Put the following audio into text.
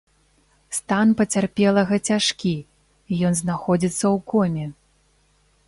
Стан пацярпелага цяжкі, ён знаходзіцца ў коме.